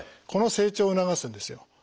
この成長を促すんですよ。